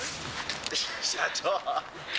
社長。